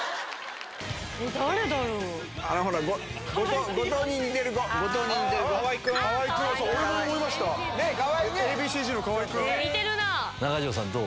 誰だろう？